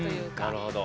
なるほど。